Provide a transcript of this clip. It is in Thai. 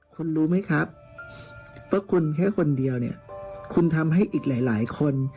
คุณรู้ไหมครับว่าคุณแค่คนเดียวเนี่ยคุณทำให้อีกหลายคน